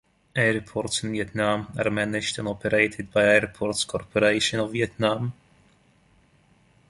Airports in Vietnam are managed and operated by Airports Corporation of Vietnam.